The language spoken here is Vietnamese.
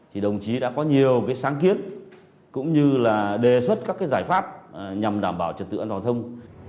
thì đồng chí đã có nhiều sáng kiến cũng như là đề xuất các cái giải pháp nhằm đảm bảo trật tự an toàn thông